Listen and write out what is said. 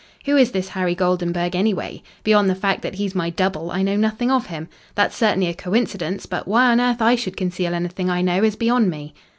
Who is this Harry Goldenburg, anyway? Beyond the fact that he's my double I know nothing of him. That's certainly a coincidence, but why on earth I should conceal anything I know is beyond me."